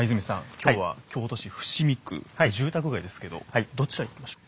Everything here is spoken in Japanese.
今日は京都市伏見区住宅街ですけどどちらに行きましょう？